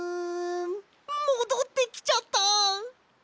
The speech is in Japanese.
もどってきちゃった。